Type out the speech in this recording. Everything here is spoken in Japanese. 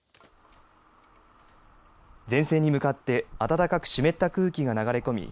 前線に向かって暖かく湿った空気が流れ込み